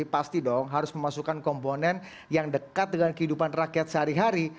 pasti dong harus memasukkan komponen yang dekat dengan kehidupan rakyat sehari hari